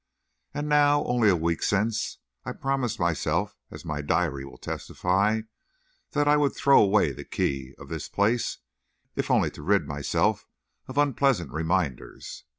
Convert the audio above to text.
And now, only a week since, I promised myself, as my diary will testify, that I would throw away the key of this place, if only to rid myself of unpleasant reminders.